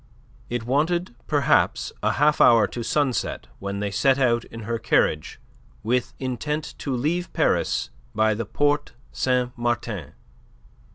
It wanted, perhaps, a half hour to sunset when they set out in her carriage with intent to leave Paris by the Porte Saint Martin.